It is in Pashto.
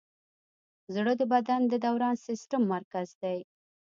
زړه د بدن د دوران سیسټم مرکز دی.